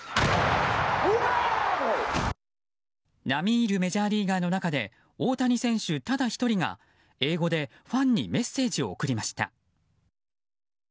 並み居るメジャーリーガーの中で大谷選手ただ１人が英語でファンにメッセージを送りました。